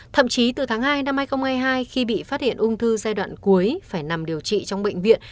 thậm chí từ tháng hai năm hai nghìn hai mươi hai khi bị phát hiện ung thư giai đoạn cuối phải nằm điều trị trong bệnh viện